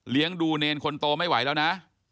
เลี้ยงดูเนรคนโตไม่ไหวแล้วนะ